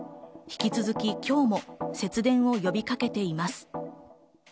引き続き今日も節電を呼びかけています。